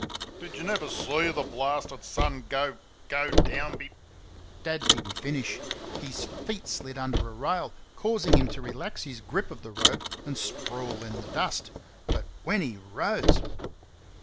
"Did y' never see th' blasted sun go go down be " Dad did n't finish. He feet slid under a rail, causing him to relax his grip of the rope and sprawl in the dust. But when he rose!